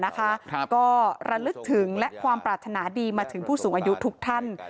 ก็ระลึกถึงและความปรารถนาดีมาถึงผู้สูงอายุทุกท่าน